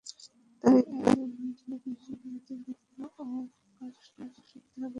তিনি আয়ারল্যান্ডীয় কিংবদন্তিগুলো ও অকাল্ট সাহিত্যের দ্বারা গভীরভাবে প্রভাবিত হন।